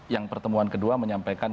yang pertemuan kedua menyampaikan